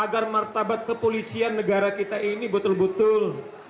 agar martabat kepolisian negara kita ini betul betul